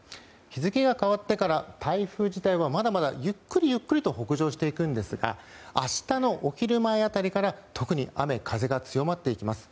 日付が変わってから台風自体はまだまだ、ゆっくりゆっくりと北上していくんですが明日のお昼前辺りから特に、雨風が強まっていきます。